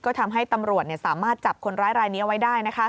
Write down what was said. ก็ทำให้ตำรวจสามารถจับคนร้ายรายนี้เอาไว้ได้